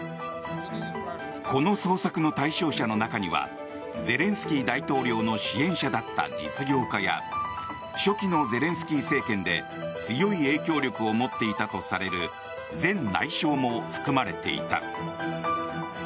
この捜索の対象者の中にはゼレンスキー大統領の支援者だった実業家や初期のゼレンスキー政権で強い影響力を持っていたとされる前内相も含まれていた。